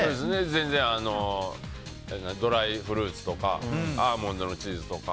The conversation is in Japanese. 全然、ドライフルーツとかアーモンドのチーズとか